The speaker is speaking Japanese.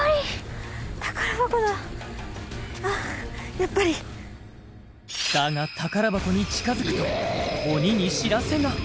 やっぱりだが宝箱に近づくと鬼に知らせが！